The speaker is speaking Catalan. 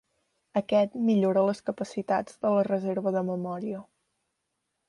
Aquest millora les capacitats de la reserva de memòria.